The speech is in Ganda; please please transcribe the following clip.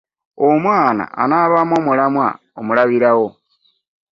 Omwana anaabamu omulamwa omulabirawo.